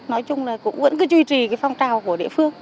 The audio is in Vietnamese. nói chung là cũng vẫn cứ duy trì cái phong trào của địa phương